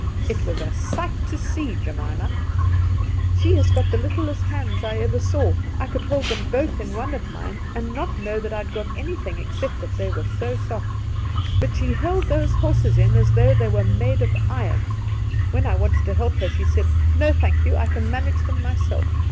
It was a sight to see Jemima! She has got the littlest hands I ever saw I could hold them both in one of mine, and not know that I'd got anything except that they were so soft; but she held those horses in as though they were made of iron. When I wanted to help her she said, 'No thank you: I can manage them myself.